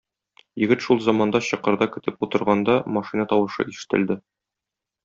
Егет шул заманда чокырда көтеп утырганда, машина тавышы ишетелде.